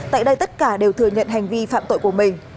tại đây tất cả đều thừa nhận hành vi phạm tội của mình